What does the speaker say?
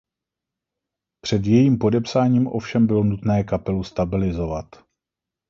Před jejím podepsáním ovšem bylo nutné kapelu stabilizovat.